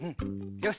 よし。